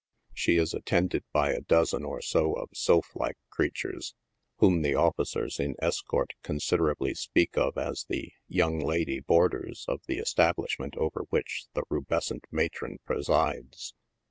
She is attended by a dozen or so of sylph like creatures, whom the officers in escort con siderately speak of as the " young lady boarders" of the establish ment over which the rubescent matron presides.